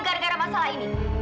gara gara masalah ini